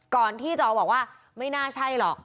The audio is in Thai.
ก่อนที่จอบอกว่าไม่น่าใช่หรอก